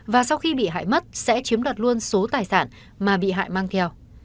và sau khi bị hại mất sẽ chiếm đoạt luôn số tài sản mà bị hại mang theo